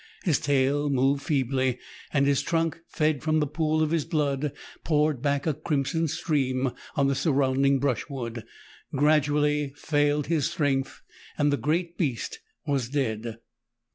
His tail moved feebly, and his trunk, fed from the pool of his blood, poured back a crimson stream on the surrounding brushwood. Gradually failed his strength, and the great beast was dead.